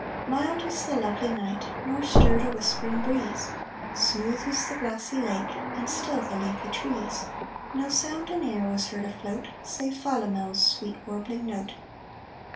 Mild was the lovely night, Nor stirred a whispering breeze. Smooth was the glassy lake, And still the leafy trees; No sound in air Was heard afloat, Save Philomel's Sweet warbling note.